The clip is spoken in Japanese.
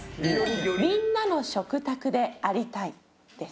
「みんなの食卓でありたい」です。